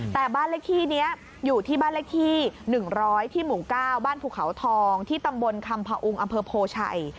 แต่บ้านเลขที่นี้อยู่ที่บ้านเลขที่๑๐๐ที่หมู่๙บ้านภูเขาทองที่ตำบลคำพออุงอำเภอโพชัย